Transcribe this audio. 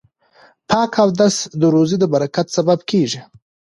پاک اودس د روزۍ د برکت سبب کیږي.